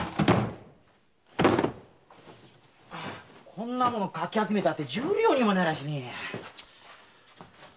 こんなもんかき集めたって十両にもなりゃしねえ。